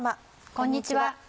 こんにちは。